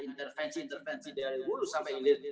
intervensi intervensi dari wulus sampai ilir